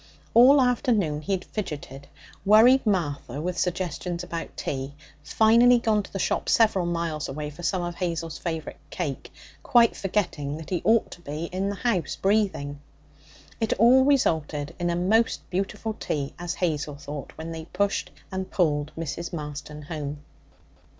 All afternoon he had fidgeted, worried Martha with suggestions about tea, finally gone to the shop several miles away for some of Hazel's favourite cake, quite forgetting that he ought to be in the house breathing. It all resulted in a most beautiful tea, as Hazel thought when they had pushed and pulled Mrs. Marston home.